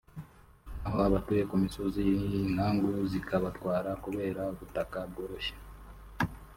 naho abatuye ku misozi inkangu zikabatwara kubera ubutaka bworoshye